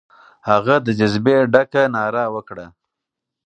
هغه د جذبې ډکه ناره وکړه.